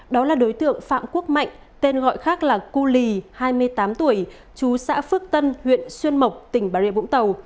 đó là đối tượng phạm quốc mạnh tên gọi khác là cu lì hai mươi tám tuổi chú xã phước tân huyện xuyên mộc tỉnh bà rịa vũng tàu